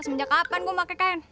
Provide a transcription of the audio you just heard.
sem umwelt apaan gua pake kain